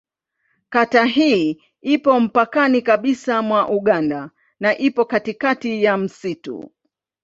Kata hii ipo mpakani kabisa mwa Uganda na ipo katikati ya msitu.